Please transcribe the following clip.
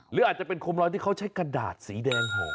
หรืออาจจะเป็นโคมลอยที่เขาใช้กระดาษสีแดงห่อ